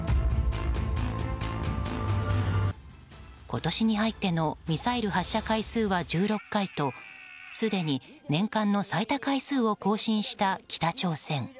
今年に入ってのミサイル発射回数は１６回とすでに年間の最多回数を更新した、北朝鮮。